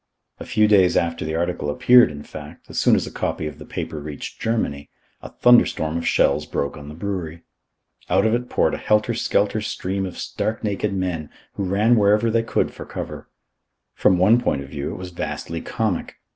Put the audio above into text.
A few days after the article appeared, in fact, as soon as a copy of the paper reached Germany, a thunderstorm of shells broke on the brewery. Out of it poured a helter skelter stream of stark naked men, who ran wherever they could for cover. From one point of view it was vastly comic.